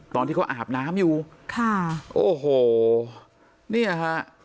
ตอนที่เขาอาบน้ำอยู่ค่ะโอ้โหเนี่ยฮะ